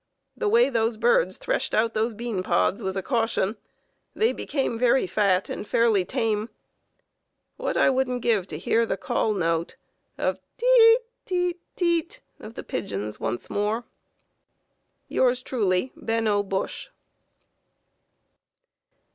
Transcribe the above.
The way those birds threshed out those bean pods was a caution. They became very fat and fairly tame. What wouldn't I give to hear the call note of Tete! Tete! Tete! of the pigeons once more. Yours truly, Ben O. Bush.